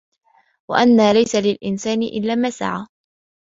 وَأَن لَيسَ لِلإِنسانِ إِلّا ما سَعى